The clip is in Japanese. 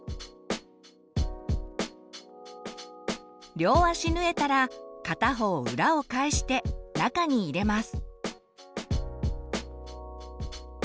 両足縫えたら片方裏を返して中に入れます。